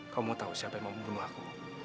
kamu mau tahu siapa yang membunuh aku